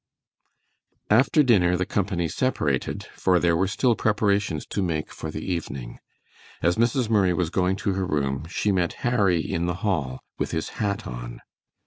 After dinner the company separated, for there were still preparations to make for the evening. As Mrs. Murray was going to her room, she met Harry in the hall with his hat on.